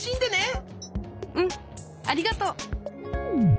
うんありがとう！